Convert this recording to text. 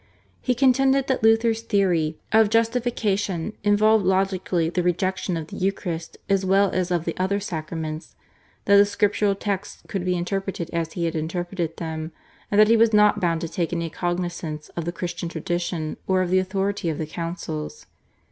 He contended that Luther's theory of justification involved logically the rejection of the Eucharist as well as of the other Sacraments, that the Scriptural texts could be interpreted as he had interpreted them, and that he was not bound to take any cognisance of the Christian tradition or of the authority of the councils.